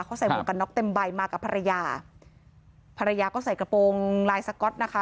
เขาใส่หมวกกันน็อกเต็มใบมากับภรรยาภรรยาก็ใส่กระโปรงลายสก๊อตนะคะ